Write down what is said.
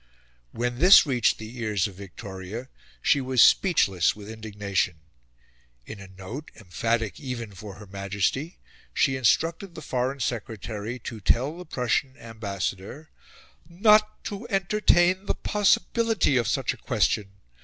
When this reached the ears of Victoria, she was speechless with indignation. In a note, emphatic even for Her Majesty, she instructed the Foreign Secretary to tell the Prussian Ambassador "not to ENTERTAIN the POSSIBILITY of such a question...